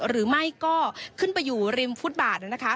หรือไม่ก็ขึ้นไปอยู่ริมฟุตบาทนะคะ